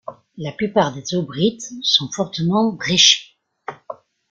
La plupart des aubrites sont fortement bréchées.